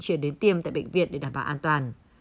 chuyển đến tiêm tại bệnh viện để đảm bảo an toàn